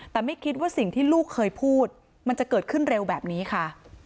แต่ไม่คิดว่าสิ่งที่ลูกเคยพูดมันจะเกิดขึ้นเร็วแบบนี้ค่ะ